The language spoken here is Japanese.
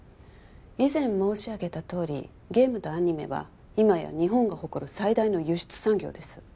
以前申し上げたとおりゲームとアニメは今や日本が誇る最大の輸出産業です